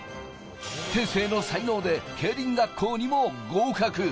天性の才能で競輪学校にも合格。